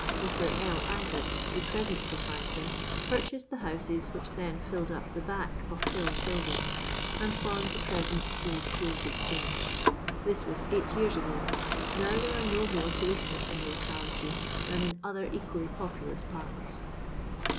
Mr. L. Isaac, the present proprietor, purchased the houses which then filled np the back of Phil's buildings, and formed the present Old Clothes Exchange. This was eight years ago; now there are no more policemen in the locality than in other equally populous parts.